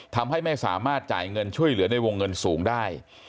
ทำให้ไม่สามารถจ่ายเงินช่วยเหลือในวงเงินสูงได้